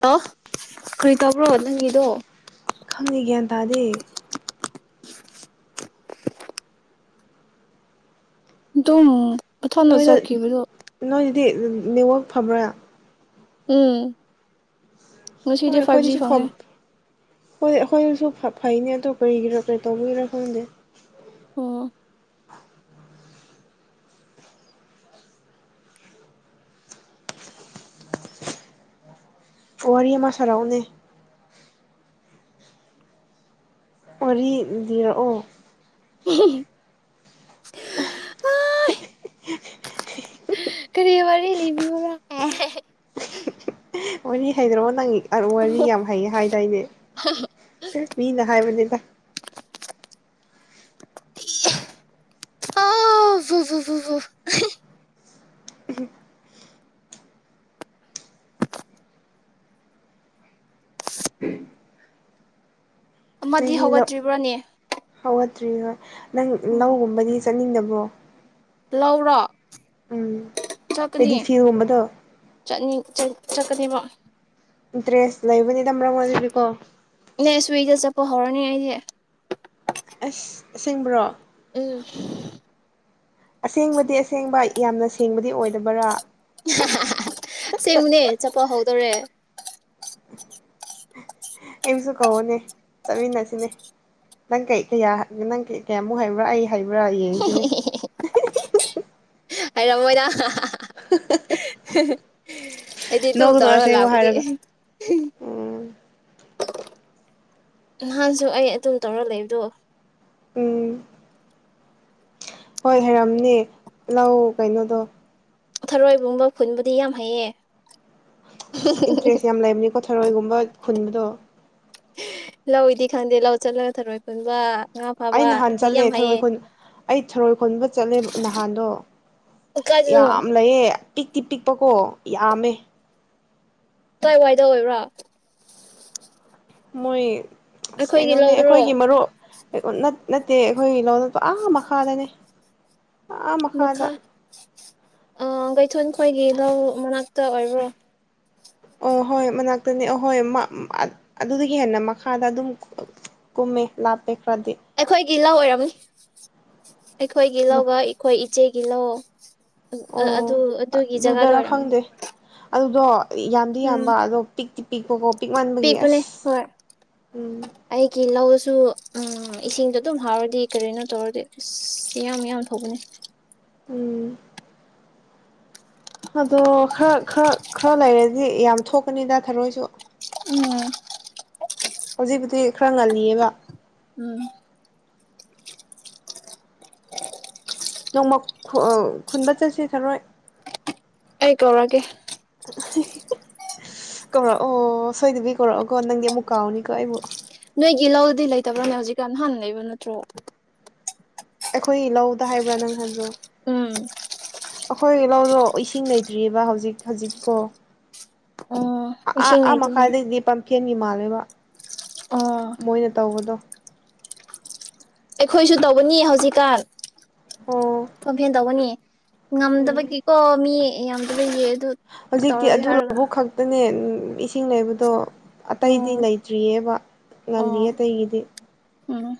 hello ꯀꯔꯤ ꯇꯧꯕ꯭ꯔꯣ ꯅꯪꯒꯤꯗꯣ ꯈꯪꯉꯤ ꯒ꯭ꯌꯥꯟ ꯇꯥꯗꯦ ꯑꯗꯨꯝ ꯃꯊꯅ ꯆꯠꯈꯤꯕꯗꯣ ꯍꯥꯏꯗꯤ ꯅꯦꯠꯋꯥꯛ ꯐꯕ꯭ꯔꯥ ꯎꯝ ꯍꯣꯏ ꯉꯁꯤꯗꯤ ꯐꯥꯏꯚ ꯖꯤ ꯑꯩꯈꯣꯏꯗꯨꯁꯨ ꯐ ꯐꯪꯉꯦ ꯍꯣꯏ ꯑꯩꯈꯣꯏꯗꯨꯁꯨ ꯐꯕ ꯐꯩꯅꯦ ꯑꯗꯣ ꯀꯔꯤꯒꯤ ꯇꯧꯕꯒꯤꯔ ꯈꯪꯗꯦ ꯑꯣ ꯋꯥꯔꯤ ꯑꯃ ꯁꯔꯥꯎꯅꯦ ꯋꯥꯔꯤꯗꯤꯔꯛꯑꯣ ꯎꯝ ꯀꯔꯤ ꯔꯤ ꯂꯤꯃꯤ ꯋꯥꯔꯤ ꯍꯩꯗ꯭ꯔꯣꯑꯣ ꯅꯪ ꯋꯥꯔꯤ ꯌꯥꯝ ꯍꯩꯌꯦ ꯍꯥꯏꯗꯥꯏꯅꯦ ꯃꯤꯅ ꯍꯥꯏꯕꯅꯤꯗ ꯍꯣ ꯍ ꯍꯣ ꯑꯃꯗꯤ ꯍꯧꯒꯠꯇ꯭ꯔꯤꯕ꯭ꯔꯥꯅꯦ ꯠꯇ꯭ꯔꯤ ꯍꯣꯏ ꯅꯪ ꯂꯧꯒꯨꯝꯕꯗꯤ ꯆꯠꯅꯤꯡꯗꯕ꯭ꯔꯣ ꯂꯧꯔꯣ ꯎꯝ ꯆꯠꯀꯅꯤ ꯄꯦꯗꯤꯐꯤꯜꯒꯨꯝꯕꯗꯣ ꯆꯠꯅꯤ ꯆꯀꯅꯤꯕ ꯏꯟꯇꯔꯦꯁ ꯂꯩꯕꯅꯤꯗ ꯃꯔꯝ ꯑꯣꯏ ꯑꯗꯨꯗꯤꯀꯣ ꯅ ꯁ꯭ꯋꯤꯒꯤꯗ ꯆꯠꯄ ꯍꯧꯔꯅꯤ ꯑꯩꯁꯦ ꯁꯦꯡꯕ꯭ꯔꯣ ꯎꯝ ꯑꯁꯦꯡꯕꯗꯤ ꯑꯁꯦꯡꯕ ꯌꯥꯝꯅ ꯁꯦꯡꯕꯗꯤ ꯑꯣꯏꯗꯕ꯭ꯔꯥ ꯁꯤꯃꯅꯦ ꯆꯄ ꯍꯧ ꯇꯔ ꯑꯩꯝꯁꯨ ꯀꯧꯅꯦ ꯆꯠꯃꯤꯟꯅꯁꯤꯅꯦ ꯅꯪ ꯀꯩ ꯀꯌꯥ ꯅꯪ ꯀ ꯀꯌꯥꯃꯨꯛ ꯍꯥꯏꯕ꯭ꯔꯥ ꯑꯩ ꯍꯩꯕ꯭ꯔꯥ ꯌꯦꯡꯁꯤꯅꯦ ꯍꯥꯏꯩꯔꯝꯃꯣꯏꯗ ꯑꯩꯗꯤ ꯇꯧ ꯅꯣꯛꯀꯅꯣ ꯇꯧꯔꯒ ꯑꯁꯦꯡꯕ ꯂꯥꯛꯄꯗꯤ ꯍꯥꯏꯔꯒ ꯎꯝ ꯅꯍꯥꯟꯁꯨ ꯑꯩ ꯑꯗꯨꯝ ꯇꯧꯔꯒ ꯂꯩꯕꯗꯣ ꯎꯝ ꯍꯣꯏ ꯍꯥꯏꯔꯝꯅꯦ ꯂꯧ ꯀꯩꯅꯣꯗꯣ ꯊꯔꯣꯏꯕꯨꯡꯕ ꯈꯨꯟꯕꯨꯗꯤ ꯌꯥꯝ ꯍꯩꯌꯦ ꯑꯁ ꯏꯟꯇꯔꯦꯁ ꯌꯥꯝ ꯂꯩꯕꯅꯤꯀꯣ ꯊꯔꯣꯏꯒꯨꯝꯕ ꯈꯨꯟꯕꯗꯣ ꯂꯧꯏꯗꯤ ꯈꯪꯗꯦ ꯂꯧ ꯆꯠꯂꯒ ꯊꯔꯣꯏ ꯄꯨꯟꯕ ꯑꯩ ꯅꯍꯥꯟ ꯆꯠꯂꯦ ꯊꯔꯣꯏ ꯈꯨꯟ ꯑꯩ ꯊꯔꯣꯏ ꯈꯨꯣꯟꯕ ꯆꯠꯂꯦ ꯅꯍꯥꯟꯗꯣ ꯀꯥꯏꯗꯅꯣ ꯌꯥꯝ ꯂꯩꯌꯦ ꯄꯤꯛꯇꯤ ꯄꯤꯛꯄꯀꯣ ꯌꯥꯝꯃꯦ ꯀꯏ ꯋꯥꯏꯗ ꯑꯣꯏꯕ꯭ꯔꯣ ꯃꯣꯏ ꯑꯁ ꯑꯩꯈꯣꯏꯒꯤ ꯀꯩꯅꯣꯅꯦ ꯂꯧꯗ꯭ꯔꯣ ꯑꯩꯈꯣꯏꯒꯤ ꯃꯔꯨꯞ ꯅꯠꯇꯦ ꯑꯩꯈꯣꯏꯒꯤ ꯂꯣꯅꯇꯣ ꯑꯥ ꯃꯈꯥꯗꯅꯦ ꯑꯥ ꯃꯈ ꯃꯈꯥꯗ ꯑ ꯀꯩꯊ ꯑꯩꯈꯣꯏꯒꯤ ꯂꯧ ꯃꯅꯥꯛꯇ ꯑꯣꯏꯕ꯭ꯔꯣ ꯑꯣ ꯍꯣꯏ ꯃꯅꯥꯛꯇꯅꯤ ꯑꯍꯣꯏ ꯑꯗꯨꯗ ꯍꯦꯟꯅ ꯃꯈꯥꯗ ꯑꯗꯨꯝ ꯀꯨꯝꯃꯦ ꯂꯥꯞꯄꯦ ꯈꯔꯗꯤ ꯑꯩꯈꯣꯏꯒꯤ ꯂꯧ ꯑꯣꯏꯔꯝꯅꯤ ꯑꯩꯈꯣꯏꯒꯤ ꯂꯧꯒ ꯑꯩꯈꯣꯏ ꯏꯆꯦ ꯏ ꯏꯂꯣ ꯑꯗꯨ ꯑꯣ ꯑꯗꯨꯒꯤ ꯖꯒꯥꯗ ꯑꯗꯨꯗꯔ ꯑꯣꯏꯔꯝꯅꯦ ꯈꯪꯗꯦ ꯑꯗꯨꯗꯣ ꯌꯥꯝꯗꯤ ꯌꯥꯝꯕ ꯑꯗꯣ ꯄꯤꯛꯇꯤ ꯄꯤꯛꯄꯀꯣ ꯄꯤꯛ ꯃꯥꯟꯕꯒꯤ ꯄꯤꯛꯄꯅꯦ ꯑꯁ ꯍꯣꯏ ꯎꯝ ꯑꯩꯒꯤ ꯂꯧꯁꯨ ꯎꯝ ꯏꯁꯤꯡꯗꯣ ꯑꯗꯨꯝ ꯍꯥꯎꯔꯗꯤ ꯀꯔꯤꯅꯣ ꯇꯧꯔꯗꯤ ꯑꯁ ꯌꯥꯝꯌꯥꯝ ꯌꯥꯝ ꯊꯧꯕꯅꯦ ꯎꯝ ꯑꯗꯣ ꯈꯔ ꯈꯔ ꯈꯔ ꯂꯩꯔꯗꯤ ꯌꯥꯝ ꯊꯣꯛꯀꯅꯤꯗ ꯊꯔꯣꯏꯁꯨ ꯎꯝ ꯍꯧꯖꯤꯛꯕꯨꯨꯗꯤ ꯈꯔ ꯉꯜꯂꯤꯑꯕ ꯎꯝ ꯅꯣꯡꯃ ꯈꯨꯟꯕ ꯆꯠꯁꯤ ꯊꯔꯣꯏ ꯑꯩꯒ ꯑꯣꯔꯒ ꯀꯧꯔꯛꯑꯣ ꯁꯣꯏꯗꯕꯤ ꯀꯧꯔꯛꯑꯣꯀꯣ ꯅꯪꯗꯤ ꯑꯃꯨꯛ ꯀꯥꯎꯅꯤꯀꯣ ꯑꯩꯕꯨ ꯅꯣꯏꯒꯤ ꯂꯧꯗꯤ ꯂꯩꯇꯕ꯭ꯔꯅꯦ ꯍꯧꯖꯤꯛꯀꯥꯟ ꯅꯍꯥꯟ ꯂꯩ ꯅꯠꯇ꯭ꯔꯣ ꯑꯩꯈꯣꯏ ꯂꯧꯗ ꯍꯥꯏꯕ꯭ꯔꯥ ꯅꯪ ꯍꯥꯏꯕ꯭ꯔꯣ ꯎꯝ ꯑꯩꯈꯣꯏ ꯂꯧꯗꯣ ꯏꯁꯤꯡ ꯂꯩꯇ꯭ꯔꯤꯑꯕ ꯍꯧꯖꯤꯛ ꯍꯧꯖꯤꯛꯀꯣ ꯑꯣ ꯏꯁꯤꯡ ꯑ ꯃ ꯂꯩꯇꯦꯅꯦ ꯈꯥꯗꯄꯝ ꯍꯦꯟꯒꯤ ꯃꯥꯜꯂꯦꯕ ꯑꯣ ꯃꯣꯏꯅ ꯇꯧꯕꯗꯣ ꯑꯩꯈꯣꯏꯁꯨ ꯇꯧꯕꯅꯤ ꯍꯧꯖꯤꯛꯀꯥꯟ ꯑꯣ ꯐꯦꯟꯗꯕꯅꯤ ꯎꯝ ꯉꯝꯗꯕꯒꯤꯀꯣ ꯃꯤ ꯌꯥꯝ ꯐ ꯌꯦ ꯍꯧꯖꯤꯛꯇꯤ ꯑꯗꯨ ꯂꯕꯨ ꯈꯛꯇꯅꯦ ꯏꯁꯤꯡ ꯅꯩꯕꯗꯣ ꯑꯇꯩꯗꯤ ꯎꯝ ꯂꯩꯇ꯭ꯔꯤꯑꯕ ꯂꯜꯂꯤ ꯑꯣ ꯑꯇꯩꯒꯤꯗꯤ ꯎꯝ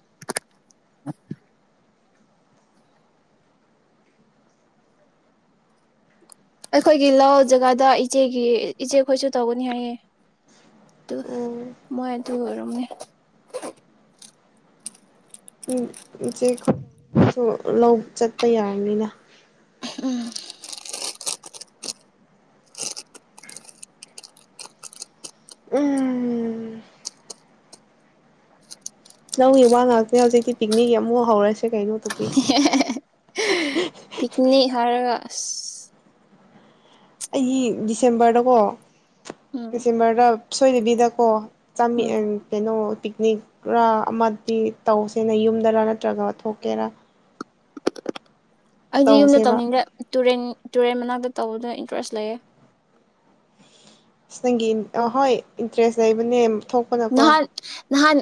ꯑꯩꯈꯣꯏꯒꯤ ꯂ ꯖꯒꯥꯗ ꯏꯆꯦꯒꯤ ꯏꯆꯦꯈꯣꯏꯁꯨ ꯇꯧꯒꯅꯤ ꯍꯥꯏꯌꯦ ꯇ ꯎꯝ ꯃꯣꯏ ꯇꯨ ꯑꯣꯏꯅꯤ ꯎ ꯆꯦ ꯆꯠꯄ ꯌꯥꯔꯅꯤꯅ ꯎꯝ ꯎꯝ ꯂꯧꯏ ꯋꯥ ꯉꯥꯛꯇꯅꯦ ꯍꯧꯖꯤꯛꯇꯤ ꯄꯤꯛꯅꯤꯛ ꯑꯃꯨꯛ ꯍꯧꯔꯁꯦ ꯀꯩꯅꯣ ꯇꯣꯄꯤꯛ ꯍꯦ ꯍꯦ ꯍꯦ [inaudible] ꯄꯤꯛꯅꯤ ꯍꯥꯏꯔꯒ [inaudible] ꯑꯩꯒꯤ ꯗꯤꯁꯦꯝꯕꯔꯗꯀꯣ ꯎꯝ ꯁꯤꯃꯔꯗ ꯁꯣꯏꯗꯕꯤꯗꯀꯣ ꯆꯃꯤ ꯎꯝ ꯀꯩꯅꯣ ꯄꯤꯛꯅꯤꯛꯔ ꯑꯃꯗꯤ ꯇꯧꯁꯦꯅ ꯌꯨꯝꯗꯔ ꯅꯠꯇ꯭ꯔꯒ ꯊꯣꯛꯀꯦꯔ ꯑꯩꯗꯤ ꯌꯨꯝꯗ ꯇꯧꯅꯤꯡꯗ꯭ꯔꯦ ꯇꯨꯔꯦꯟ ꯇꯨꯔꯦꯟ ꯃꯅꯥꯛꯇ ꯇꯧꯕꯗ ꯏꯟꯇꯔꯦꯁ ꯂꯩꯌꯦ ꯑꯁ ꯅꯪꯒꯤ ꯍꯣꯏ ꯏꯟꯇꯔꯦꯁ ꯂꯩꯕꯅꯦ ꯊꯣꯛꯄꯗꯀꯣ ꯅꯍꯥꯟ ꯅꯍꯥꯟ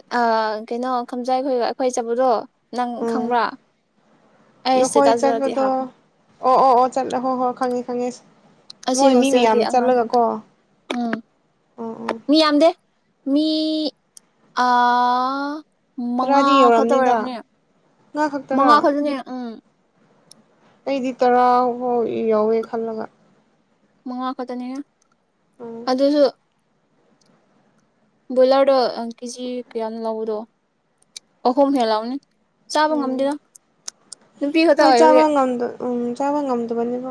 ꯀꯩꯅꯣ ꯀꯝꯖꯥꯏꯈꯣꯏ ꯑꯩꯈꯣꯏ ꯆꯠꯄꯗꯣ ꯅꯪ ꯎꯝ ꯈꯪꯕ꯭ꯔꯥ ꯑꯩ ꯅꯈꯣꯏ ꯏꯁꯇꯦꯇꯁꯇꯗꯤ ꯆꯠꯄꯗꯣ ꯍꯥꯞꯄꯦ ꯑꯣ ꯑꯣ ꯑꯣ ꯆꯠꯂꯦ ꯍꯣ ꯍꯣꯏ ꯈꯪꯉꯤ ꯐꯪꯉꯦꯁꯤ ꯑꯁꯤ ꯍꯣꯁꯇꯦꯜꯒꯤ ꯑꯉꯥꯡꯁꯤꯡ ꯎꯝ ꯑꯣ ꯑꯣ ꯃꯤ ꯌꯥꯝꯗꯦ ꯃꯤ ꯑ ꯃꯉꯥ ꯇꯔꯥꯗꯤ ꯈꯛꯇ ꯌꯧꯔꯝꯅꯤꯗ ꯑꯣꯏꯔꯎꯅꯦ ꯉꯥ ꯈꯛꯇꯔꯥ ꯃꯉꯥ ꯈꯛꯇꯅꯦ ꯎꯝ ꯑꯩꯗꯤ ꯇꯔꯥ ꯐꯥꯎ ꯌꯥꯎꯋꯦ ꯈꯜꯂꯒ ꯃꯉ ꯋꯥꯇꯅꯤ ꯎꯝ ꯑꯗꯨꯁꯨ ꯕꯣꯏꯂꯔꯗꯣ ꯀꯦꯖꯤ ꯀꯌꯥ ꯂꯎꯗꯣ ꯑꯍꯨꯝ ꯍꯦꯛ ꯂꯥꯎꯅꯤ ꯆꯥꯕ ꯎꯝ ꯉꯝꯗꯦꯗꯣ ꯅꯨꯄꯤ ꯈꯛꯇ ꯍꯣꯏ ꯆꯥꯕ ꯑꯣꯏꯔꯒꯦ ꯉꯝꯗ ꯎꯝ ꯆꯥꯕ ꯉꯝꯗꯕꯅꯦꯕꯣ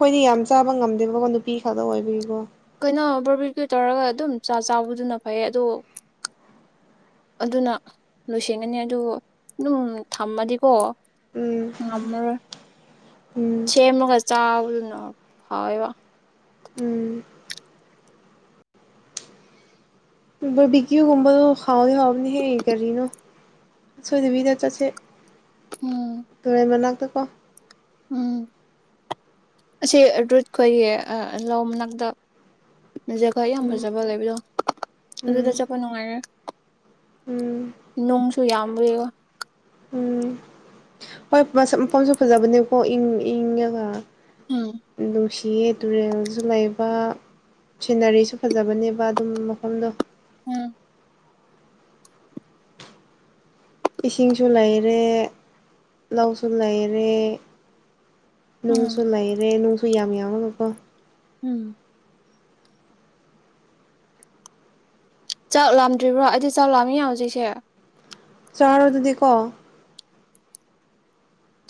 ꯍꯣꯏꯗꯤ ꯌꯥꯝ ꯆꯥꯕ ꯉꯝꯗꯦꯕꯀꯣ ꯅꯨꯄꯤ ꯈꯛꯇ ꯑꯣꯏꯕꯤꯒꯤꯀꯣ ꯑꯩꯈꯣꯏꯩꯅꯣ ꯕꯔꯕꯤꯔꯀ ꯇꯧꯔꯒ ꯑꯗꯨꯝ ꯆꯥꯛ ꯆꯥꯕꯗꯨꯅ ꯐꯩ ꯑꯗꯣ ꯑꯗꯨꯅ ꯂꯣꯏꯁꯟꯒꯅꯤ ꯑꯗꯨ ꯑꯗꯨꯝ ꯊꯝꯃꯗꯤꯀꯣ ꯎꯝ ꯃꯣꯏ ꯎꯝ ꯁꯦꯝꯃꯒ ꯆꯥꯕꯗꯨꯅ ꯍꯥꯎꯋꯦꯕ ꯎꯝ ꯕꯔꯕꯤꯀꯤꯒꯨꯝꯕꯗꯣ ꯍꯥꯎꯗꯤꯦ ꯍꯥꯎꯕꯅ ꯍꯦ ꯀꯔꯤꯅꯣ ꯁꯣꯏꯗꯕꯤꯗ ꯆꯠꯁꯦ ꯎꯝ ꯇꯧꯔꯦ ꯃꯅꯥ ꯋꯥ ꯎꯝ ꯑꯁꯤ ꯔꯨꯠꯈꯣꯏꯒꯤ ꯂ ꯃꯅꯥꯛꯇ ꯖꯈ ꯌꯥꯝ ꯎꯝ ꯐꯖꯕ ꯂꯩꯕꯗꯣ ꯑꯗꯨꯗ ꯎꯝ ꯆꯠꯄ ꯅꯨꯡꯉꯥꯏꯔꯦ ꯎꯝ ꯅꯨꯡꯁꯨ ꯌꯥꯝꯏ ꯎꯝ ꯍꯣꯏ ꯃꯐꯝꯁꯨ ꯐꯖꯕꯅꯦꯕꯀꯣ ꯏꯪ ꯏꯪꯉꯒ ꯎꯝ ꯣ ꯆꯤꯌꯦ ꯇꯨꯔꯦꯜꯁꯨ ꯂꯩꯕ ꯁꯤꯅꯔꯤꯁꯨ ꯐꯖꯕꯅꯦꯕ ꯑꯗꯨꯝ ꯃꯐꯝꯗꯣ ꯎꯝ ꯏꯁꯤꯡꯁꯨ ꯂꯩꯔꯦ ꯂꯧꯁꯨ ꯂꯩꯔꯦ ꯎꯝ ꯅꯨꯡꯪꯁꯨ ꯂꯩꯔꯦ ꯅꯨꯡꯁꯨ ꯁꯨ ꯌꯥꯝ ꯌꯥꯎꯒꯀꯣ ꯎꯝ ꯆꯥꯛ ꯂꯥꯝꯗ꯭ꯔꯤꯕ꯭ꯔꯣ ꯑꯩꯗꯤ ꯆꯥꯛ ꯂꯥꯝꯃꯤ ꯌꯥ ꯍꯧꯖꯤꯛꯁꯦ ꯆꯥꯎꯥꯔꯣ ꯑꯗꯨꯗꯤꯀꯣ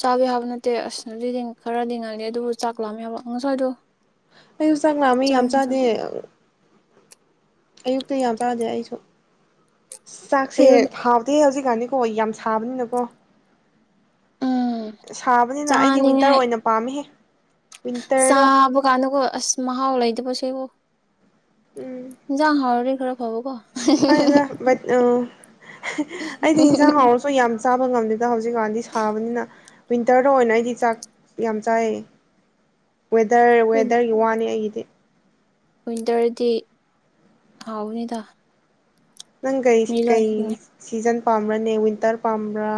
ꯆꯥꯕ ꯌꯥꯕ ꯅꯠꯇꯦ ꯑꯁꯗꯤꯗꯤ ꯈꯔꯗꯤꯡ ꯉꯜꯂꯤ ꯑꯗꯨꯕꯨ ꯆꯥꯛꯑꯃꯦ ꯌꯥꯕ ꯉꯁꯋꯥꯏꯗꯣ ꯑꯩꯁꯨ ꯆꯥꯡ ꯂꯥꯛꯑꯝꯃꯤ ꯌꯥꯝ ꯆꯥꯗꯦ ꯑꯌꯨꯛꯇ ꯌꯥꯝ ꯆꯥꯗꯩ ꯑꯩꯁꯨ ꯆꯁꯤꯦ ꯑꯌꯨꯛꯗ ꯍꯥꯞꯗꯤ ꯍꯧꯖꯤꯛ ꯌꯥꯅꯤꯀꯣ ꯑꯩ ꯌꯥꯝ ꯁꯥꯕꯅꯤꯅꯀꯣ ꯎꯝ ꯁꯥꯕꯅꯤꯅ ꯑꯩꯗꯤ ꯋꯤꯟꯇꯔ ꯆꯥꯅꯤꯡꯉꯥꯏ ꯑꯣꯏꯅ ꯄꯥꯝꯃꯤꯍꯦ ꯆꯥꯕ ꯀꯥꯟꯗꯒ ꯑꯁ ꯃꯍꯥꯎ ꯂꯩꯗꯕꯁꯨ ꯌꯦꯕꯣ ꯌꯥꯥ ꯍꯔꯗꯤ ꯈꯔ ꯍꯥꯎ ꯀꯣ ꯀꯥꯏꯗ ꯑ ꯑꯩꯗꯤ ꯌꯦꯟꯁꯥꯡ ꯍꯥꯎꯔꯁꯨ ꯌꯥꯝ ꯆꯥꯕ ꯉꯝꯗ ꯑꯗ ꯍꯧꯖꯤꯛꯀꯥꯟꯗꯤ ꯁꯥꯕꯅꯤꯅ ꯋꯤꯟꯇꯔꯗ ꯑꯣꯏꯅ ꯑꯩꯗꯤ ꯆꯥꯛ ꯌꯥꯝ ꯆꯥꯏ ꯋꯦꯗꯔ ꯋꯤꯟ ꯋꯦꯗꯔꯒꯤ ꯋꯥꯅꯤ ꯑꯩꯒꯤꯗꯤ ꯋꯤꯟꯇꯔꯗꯤ ꯍꯥꯎꯅꯤꯗ ꯅꯪ ꯀꯩ ꯀꯩ ꯁꯤꯖꯟ__ ꯄꯥꯝ꯭ꯔꯅꯦ ꯋꯟꯇꯔ ꯄꯥꯝꯕ꯭ꯔꯥ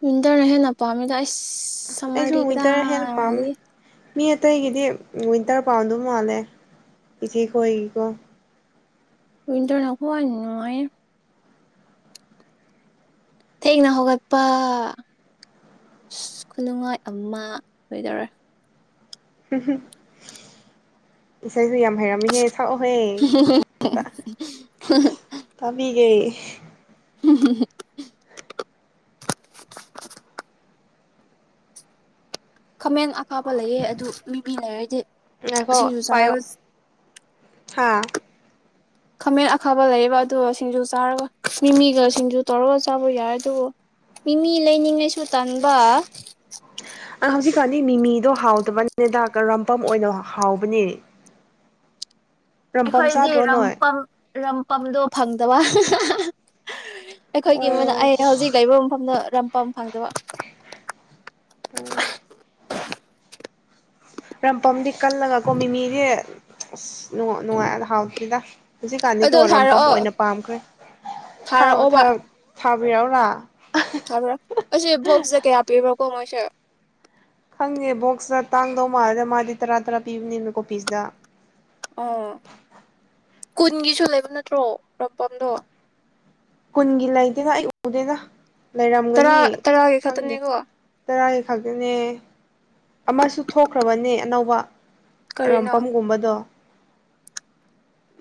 ꯃꯤꯋꯟꯇꯔꯅꯍꯦꯄꯥꯎ ꯑꯃꯤ ꯂꯥꯏ ꯑꯩꯁꯨ ꯋꯤꯟꯇꯔ ꯍꯦꯟꯅ ꯄꯥꯝꯃꯦ ꯃꯤ ꯑꯇꯩꯒꯤꯗꯤ ꯋꯤꯟꯇꯔ ꯄꯥꯎꯟꯗꯧ ꯃꯥꯜꯂꯦ ꯏꯆꯦ ꯈꯣꯏꯒꯤꯀꯣ ꯀꯣꯏ ꯇ ꯅꯀꯏ ꯅꯥꯏ ꯊꯦꯡꯅ ꯍꯧꯒꯠꯄ ꯈꯨꯅꯨꯡꯉꯥꯏ ꯑꯃ ꯑꯣꯏꯗꯧꯔꯦ ꯍꯝ ꯍꯝ ꯏꯁꯩꯁꯨ ꯌꯥꯝ ꯍꯩꯔꯝꯃꯤꯍꯦ ꯁꯛꯑꯣꯍꯦ ꯇꯥꯕꯤꯒꯦ ꯎꯝ ꯈꯃꯦꯟ ꯍꯥꯞꯄ ꯂꯩꯑꯦ ꯑꯗꯨ ꯃꯤꯃꯤ ꯂꯩꯔꯗꯤ ꯉꯥꯏꯈꯣ ꯁꯤꯁꯨ ꯆꯥꯔꯁꯤ ꯍꯥꯥ ꯈꯥꯃꯦꯟ ꯑꯈꯥꯕ ꯂꯩꯌꯦꯕ ꯑꯗꯨꯒ ꯁꯤꯡꯖꯨ ꯆꯥꯔꯒ ꯃꯤꯃꯤꯒ ꯁꯤꯡꯖꯨ ꯇꯧꯔꯒ ꯆꯥꯕ ꯌꯥꯏ ꯑꯗꯨꯕꯨ ꯃꯤꯃꯤ ꯂꯩꯅꯤꯡꯉꯥꯏꯁꯨ ꯇꯟꯕ ꯆꯅꯤ ꯃꯤꯃꯤꯗꯣ ꯍꯥꯎꯗꯕꯅꯦꯗꯥꯛꯀ ꯔꯝꯄꯝ ꯑꯣꯏꯅ ꯍꯥꯎꯕꯅꯤ ꯔꯝꯄꯝꯆꯥꯥ ꯑꯩꯈꯣꯏꯗꯤ ꯔꯅꯣꯏ ꯔꯝꯄꯝ ꯔꯝꯄꯝꯗꯣ ꯐꯪꯗꯕ ꯑꯩꯈꯣꯏꯒꯤ ꯃꯅ ꯑꯣ ꯑꯩ ꯍꯧꯖꯤꯛ ꯂꯩꯕ ꯃꯐꯝꯗ ꯔꯝꯄꯝ ꯐꯪꯗꯕ ꯑ [inaudible] ꯔꯝꯄꯝꯗꯤ ꯀꯜꯂꯒꯀꯣ ꯃꯤꯃꯤꯁꯦ ꯑ ꯅꯨꯡꯉꯥꯏ ꯍꯥꯎꯤꯗ ꯍꯧꯖꯤꯛꯀꯥꯟꯗꯤꯒꯤ ꯑꯗꯣ ꯑꯣꯏꯔꯝ ꯄꯝ ꯊꯥꯔꯛꯑꯣ ꯑꯣꯏꯅ ꯄꯥꯝꯈ꯭ꯔꯦ ꯊꯕꯔꯤꯧꯅ ꯊꯥꯕ꯭ꯔ ꯑꯁꯤ ꯣꯛꯁꯦ ꯀꯌꯥ ꯄꯤꯕ ꯀꯃꯁꯥ ꯈꯪꯉꯦ ꯕꯣꯛꯁꯇ ꯇꯥꯡꯗꯧ ꯃꯥꯜꯂꯗ ꯃꯥꯗꯤ ꯇꯔꯥ ꯇꯔꯥ ꯄꯤꯕꯅꯤꯅ ꯀꯣꯄꯤꯁꯤꯗ ꯑꯣ ꯀꯨꯟꯒꯤꯁꯨ ꯂꯩꯕ ꯅꯠꯇ꯭ꯔꯣ ꯔꯝꯄꯝꯗꯣ ꯀꯨꯟꯒꯤ ꯂꯩꯗꯦꯅ ꯑꯩ ꯎꯗꯦꯅ ꯂꯩꯔꯝꯒꯅꯤ ꯇꯔꯥ ꯇꯔꯥꯒꯤ ꯐꯪꯗꯦ ꯈꯛꯇꯅꯤꯀꯣ ꯇꯔꯥꯒꯤ ꯈꯛꯇꯅꯦ ꯑꯃꯁꯨ ꯊꯣꯛꯈ꯭ꯔꯕꯅꯦ ꯑꯅꯧꯕ ꯀꯔꯤꯅꯣ ꯔꯣꯝꯄꯝꯒꯨꯝꯕꯗꯣ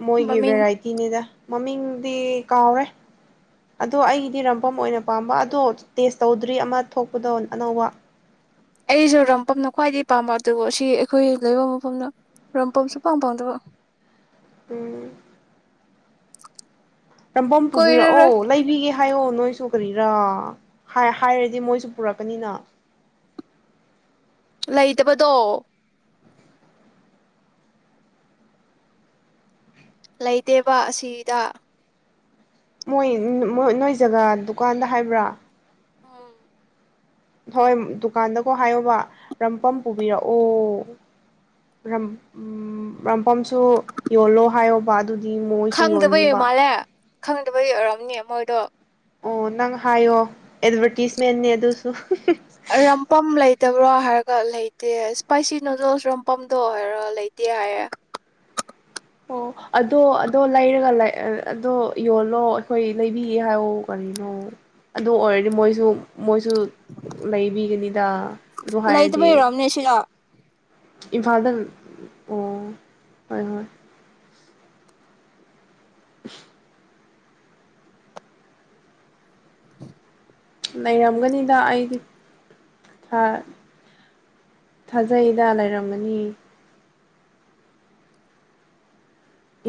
ꯃꯣꯏꯒꯤ ꯃꯃꯤꯡ ꯚꯦꯔꯥꯏꯇꯤꯅꯤꯗ ꯃꯃꯤꯡꯗꯤ ꯀꯥꯎꯔꯦ ꯑꯗꯣ ꯑꯩꯒꯤꯗꯤ ꯔꯝꯐꯝꯝ ꯑꯣꯏꯅ ꯄꯥꯝꯕ ꯑꯗꯣ ꯇꯦꯁ ꯇꯧꯗ꯭ꯔꯤ ꯑꯃ ꯊꯣꯛꯄꯗꯣ ꯑꯅꯧꯕ ꯑꯩꯁꯨ ꯔꯝꯄꯝꯅ ꯈ꯭ꯋꯥꯏꯗꯒꯤ ꯄꯥꯝꯕ ꯑꯗꯨꯕꯨ ꯁꯤ ꯑꯩꯈꯣꯏ ꯂꯩꯕ ꯃꯐꯝꯗ ꯔꯝꯄꯝꯁꯨ ꯄꯥꯝ ꯄꯥꯎꯝꯗꯕ ꯎꯝ ꯔꯝꯕꯣꯝ ꯀꯣꯏꯔꯔꯣꯏ ꯄꯨꯕꯤꯔꯛꯑꯣ ꯂꯩꯕꯤꯒꯦ ꯍꯥꯏꯌꯣ ꯅꯣꯏꯁꯨ ꯀꯔꯤꯔꯥ ꯍꯥꯏꯔꯗꯤ ꯃꯣꯏꯁꯨ ꯄꯨꯔꯛꯀꯅꯤꯅ ꯂꯩꯇꯕꯗꯣ ꯂꯩꯇꯦꯕ ꯑꯁꯤꯗ ꯃꯣꯏ ꯅꯣꯏ ꯖꯒꯥ ꯗꯨꯀꯥꯟꯗ ꯍꯥꯏꯕ꯭ꯔꯥ ꯎꯝ ꯍꯣꯏ ꯗꯨꯀꯥꯟꯗꯀꯣ ꯍꯥꯏꯌꯣꯕ ꯔꯝꯄꯝ ꯄꯨꯕꯤꯔꯛꯑꯣꯝ ꯔꯝꯄꯝꯁꯨ ꯌꯣꯜꯂꯣ ꯍꯥꯏꯌꯣꯕ ꯑꯗꯨ ꯗꯤ ꯃꯣꯏꯁꯨ ꯌꯣꯟꯅꯤꯡꯕ ꯈꯪꯗꯕ ꯌ ꯑꯣꯏꯔꯝꯅꯦ ꯃꯣꯏꯗꯣ ꯑꯣ ꯅꯪ ꯍꯥꯏꯌꯣ ꯑꯦꯗꯚꯔꯇꯤꯁꯃꯦ ꯑꯗꯨꯁꯨ ꯔꯝꯄꯝ ꯂꯩ ꯂꯩꯇꯕ꯭ꯔꯥ ꯍꯥꯏꯔꯒ ꯂꯩꯇꯦ ꯏꯁꯄꯥꯏꯁꯤ ꯅꯨꯗꯜꯁ ꯔꯣꯝ ꯄꯝꯗꯣ ꯍꯥꯏꯔꯒ ꯂꯩꯇꯦ ꯍꯥꯏꯌꯦꯦ ꯑꯣ ꯑꯗꯣ ꯑꯗꯣ ꯂꯩꯔꯒ ꯑꯗꯣ ꯌꯣꯜꯂꯣ ꯑꯩꯈꯣꯏ ꯂꯩꯕꯤꯌꯦ ꯍꯥꯏꯑꯣ ꯀꯔꯤꯅꯣ ꯑꯗꯨ ꯑꯣꯏꯔꯗꯤ ꯃꯣꯏꯁꯨ ꯃꯣꯏꯁꯨ ꯂꯩꯕꯤꯒꯅꯤꯗ ꯑꯗꯨ ꯍꯥꯏꯔꯗꯤ ꯂꯩꯇꯕꯩ ꯑꯣꯏꯔꯝꯅꯤ ꯁꯤꯗ ꯏꯝꯐꯥꯜꯗ ꯑꯣ ꯍꯣꯏ ꯍꯣꯏ [inaudible] [inaudible] ꯂꯩꯔꯝꯒꯅꯤꯗ ꯑꯩꯗꯤ ꯊꯥꯖꯩꯗ ꯂꯩꯔꯝꯒꯅꯤ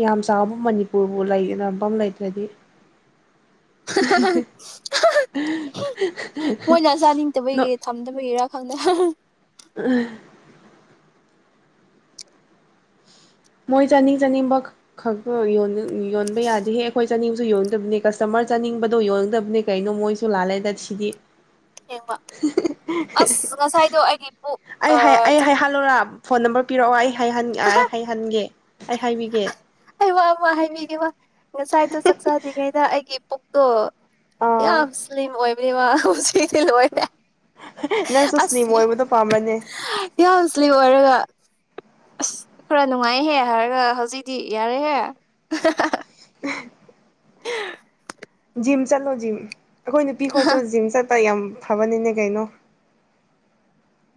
ꯌꯥꯝ ꯆꯥꯎꯕ ꯃꯅꯤꯄꯨꯔꯕꯨ ꯂꯩꯐꯝ ꯂꯩꯇ꯭ꯔꯗꯤ ꯍꯥ-ꯍꯥ-ꯍꯥ ꯑꯍꯥꯍꯥ ꯍꯨꯝ ꯃꯣꯏꯅ ꯆꯥꯅꯤꯡꯗꯕꯒꯤ ꯊꯝꯗꯕꯒꯤꯔꯥ ꯈꯪꯗꯦ ꯍꯥꯍꯥ- ꯑꯍ- ꯃꯣꯏ ꯆꯥꯅꯤꯡ ꯆꯥꯅꯤꯡꯕ ꯈꯛ ꯈꯛꯇ ꯌꯣꯟꯕ ꯌꯣꯟꯕ ꯌꯥꯗꯦꯍꯦ ꯑꯩꯈꯣꯏ ꯆꯥꯅꯤꯡꯕꯁꯨ ꯌꯣꯟꯗꯕꯅꯦ ꯀꯁꯇꯃꯔ ꯆꯥꯅꯤꯡꯕꯗꯣ ꯌꯣꯟꯗꯕꯅꯦ ꯀꯩꯅꯣ ꯃꯣꯏꯁꯨ ꯂꯥꯜꯂꯦꯗ ꯁꯤꯗꯤ ꯊꯦꯡꯕ ꯑꯁ ꯉꯁꯥꯏꯗꯣ ꯑꯩꯒꯤ ꯄꯨꯛ ꯑꯩ ꯍꯥꯏ ꯑꯩ ꯆꯥꯛ ꯍꯥꯏ ꯍꯥꯜꯂꯣꯔꯥ ꯐꯣꯟ ꯅꯝꯕꯔ ꯄꯤꯔꯛꯑꯣ ꯑꯩ ꯍꯥꯏꯍꯟꯒꯦ ꯑꯥꯏ ꯍꯥꯏꯍꯟꯒꯦ ꯑꯩ ꯍꯥꯏꯕꯤꯒꯦ ꯑꯩ ꯋꯥ ꯑꯃ ꯍꯥꯏꯕꯤꯒꯦ ꯋꯥ ꯉꯁꯥꯏꯗꯣ ꯆꯥꯛ ꯆꯥꯗ꯭ꯔꯤꯉꯩꯗ ꯑꯩ ꯄꯨꯛꯇꯣ ꯑꯥ ꯌꯥꯝ ꯁ꯭ꯂꯤꯝ ꯑꯣꯏ ꯄꯨꯅꯤꯃꯥ ꯍꯧꯖꯤꯛ ꯁꯤ ꯊꯤꯜꯂꯛꯑꯣꯌꯦ ꯅꯪꯁꯨ ꯁ꯭ꯂꯤꯝ ꯑꯁꯂꯤ ꯑꯣꯏꯕꯗꯣ ꯄꯥꯝꯕ꯭ꯔꯅꯦ ꯌꯥꯝ ꯁ꯭ꯂꯤꯝ ꯑꯣꯏꯔꯒ ꯑꯁ ꯈꯔ ꯅꯨꯡꯉꯥꯏꯍꯦ ꯍꯥꯏꯔꯒ ꯍꯧꯖꯤꯛꯇꯤ ꯌꯥꯔꯦꯍꯦ ꯑꯍꯥ꯭-ꯍꯥ-ꯍꯥ ꯍꯦ ꯍꯍ- ꯖꯤꯝ ꯆꯠꯂꯣ ꯖꯤꯝ ꯑꯩꯈꯣꯏ ꯅꯨꯄꯤꯈꯣꯏꯁꯨ ꯖꯤꯝ ꯆꯠ ꯌꯥꯝ ꯐꯕꯅꯤꯅꯦ ꯀꯩꯅꯣ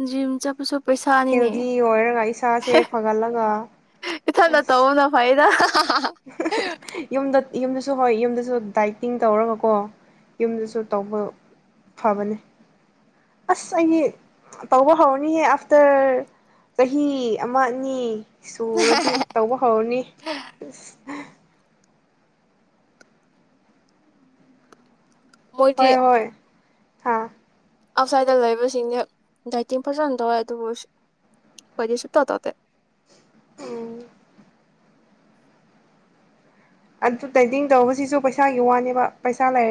ꯖꯤꯝ ꯆꯠꯄꯁꯨ ꯄꯩꯁꯥꯅꯤꯅꯦ ꯍꯦꯜꯗꯤ ꯑꯣꯏꯔꯒ ꯏꯁꯥꯁꯦ ꯐꯒꯠꯂꯒ ꯏꯊꯟꯇ ꯇꯧꯕꯅ ꯐꯩ ꯂꯧꯁꯤꯟꯕ ꯉꯝꯗꯕ ꯍ-ꯍ ꯌꯨꯝꯗ ꯌꯨꯝꯗꯁꯨ ꯍꯣꯏ ꯌꯨꯝꯗꯁꯨ ꯗꯥꯏꯇꯤꯡ ꯇꯧꯔꯒꯀꯣ ꯌꯨꯝꯗꯁꯨ ꯇꯧꯕ ꯐꯕꯅꯦ ꯑꯁ ꯑꯩꯒꯤ ꯇꯧꯕ ꯍꯧꯔꯅꯤꯌꯦ ꯑꯥꯐꯇꯔ ꯆꯍꯤ ꯑꯃ ꯑꯅꯤ ꯁꯨꯔꯗꯤ ꯇꯧꯕ ꯍꯧꯔꯅꯤ ꯑꯁ ꯍꯍ ꯃꯣꯏꯗꯤ ꯍꯣꯏ ꯍꯣꯏ ꯍꯥ ꯑꯥꯎꯠꯁꯥꯏꯗꯇ ꯂꯩꯕꯁꯤꯡꯁꯦ ꯗꯥꯏꯇꯤꯡ ꯐꯖꯅ ꯇꯧꯋꯦ ꯑꯗꯨꯕꯨ ꯑꯁ ꯑꯩꯈꯣꯏꯗꯤ ꯁꯨꯇꯧ ꯇꯧ ꯇꯦ ꯎꯝ ꯑꯗꯨ ꯇ꯭ꯔꯦꯗꯤꯡ ꯇꯧꯕꯁꯤꯁꯨ ꯄꯩꯁꯥꯒꯤ ꯋꯥꯅꯦꯕ ꯄꯩꯁꯥ ꯂꯩꯔ